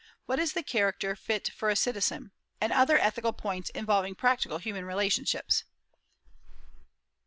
What is the character fit for a citizen? and other ethical points, involving practical human relationships.